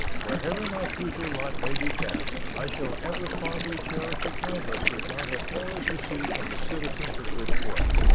Wherever my future lot may be cast, I shall ever fondly cherish the kindness which I have always received from the citizens of Bridgeport.